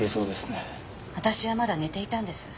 私はまだ寝ていたんです。